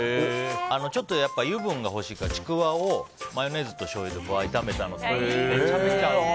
ちょっと油分が欲しいからちくわをマヨネーズとしょうゆで炒めたのがめちゃめちゃ合う。